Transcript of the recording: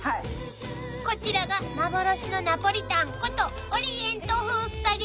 ［こちらが幻のナポリタンこと］